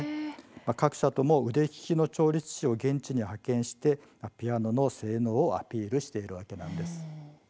各社とも腕利きの調律師を現地に派遣してピアノの性能をアピールしているわけなんです。